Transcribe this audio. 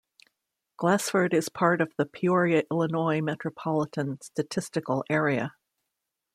Glasford is part of the Peoria, Illinois Metropolitan Statistical Area.